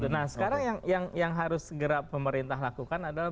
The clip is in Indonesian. nah sekarang yang harus segera pemerintah lakukan adalah